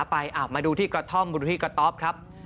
ดูวิบากตามหาไปมาดูที่กระท่อมดูที่กระต๊อปครับ